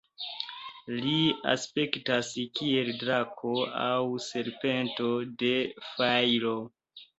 Li aspektas kiel drako aŭ serpento de fajro.